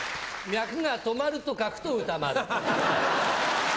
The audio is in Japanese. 脈が止まると書くと、歌丸。